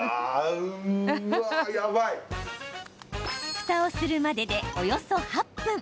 ふたをするまでで、およそ８分。